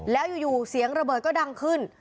แล้วอยู่เสียงระเบิดก็ดังขึ้น